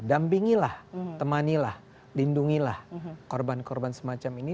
dampingilah temanilah lindungilah korban korban semacam ini